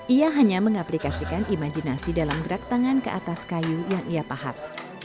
ia hanya mengaplikasikan imajinasi dalam gerak tangan ke atas kayu yang ia pahat